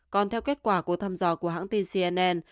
còn theo kết quả của tham dò của hãng tin cnn